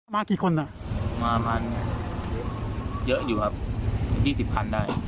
มากี่คนอ่ะมามาเยอะอยู่ครับยี่สิบคันได้